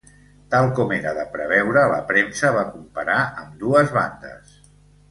Tal com era de preveure, la premsa va comparar ambdues bandes.